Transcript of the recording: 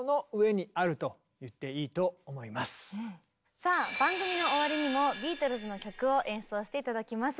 さあ番組の終わりにもビートルズの曲を演奏して頂きます。